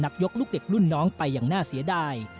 ยกลูกเด็กรุ่นน้องไปอย่างน่าเสียดาย